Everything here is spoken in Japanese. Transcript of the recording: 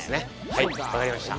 はいわかりました。